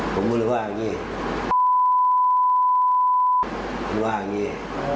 ผมก็เลยว่าอย่างงี้